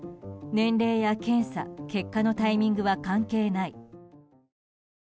年齢や検査結果のタイミングは関係ない。